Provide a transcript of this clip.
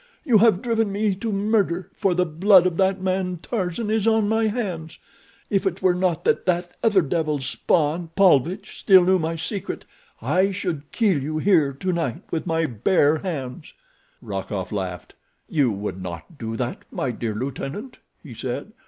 You have driven me to murder, for the blood of that man Tarzan is on my hands. If it were not that that other devil's spawn, Paulvitch, still knew my secret, I should kill you here tonight with my bare hands." Rokoff laughed. "You would not do that, my dear lieutenant," he said.